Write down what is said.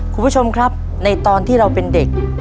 คุณผู้ชมครับในตอนที่เราเป็นเด็ก